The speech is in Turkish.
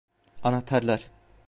Anahtarlar.